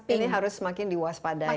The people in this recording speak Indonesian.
ini harus semakin diwaspadai